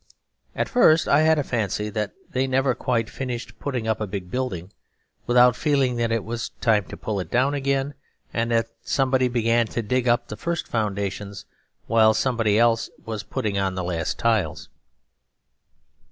At first I had a fancy that they never quite finished putting up a big building without feeling that it was time to pull it down again; and that somebody began to dig up the first foundations while somebody else was putting on the last tiles.